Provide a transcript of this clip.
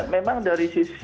memang dari sisi